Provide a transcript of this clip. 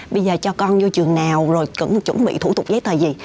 bây giờ cho con vô trường nào rồi cũng chuẩn bị thủ tục giấy tờ gì